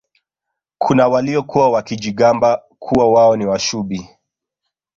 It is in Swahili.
kuna waliokuwa wakijigamba kuwa wao ni Washubi